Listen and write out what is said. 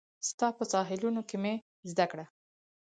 ستا په ساحلونو کې مې زده کړه